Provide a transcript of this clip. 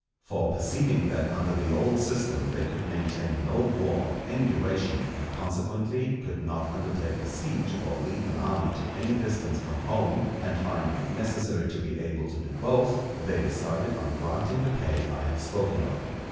For perceiving that under the old system they could maintain no war of any duration, and, consequently, could not undertake a siege or lead an army to any distance from home, and finding it necessary to be able to do both, they decided on granting the pay I have spoken of.